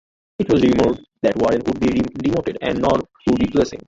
It was rumored that Warren would be demoted and Knorr would replace him.